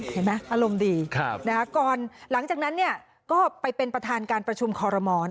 เห็นไหมอารมณ์ดีหลังจากนั้นเนี่ยก็ไปเป็นประธานการประชุมคอลโลมอน